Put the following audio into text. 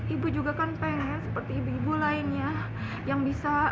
ibu juga kan pengen seperti ibu ibu lainnya yang bisa